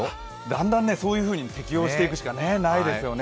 だんだんそういうふうに適応していくしかないですよね。